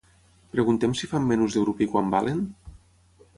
Preguntem si fan menús de grup i quant valen?